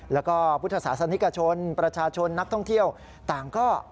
แล้วก็พุทธศาสนิกชนประชาชนนักท่องเที่ยวต่างก็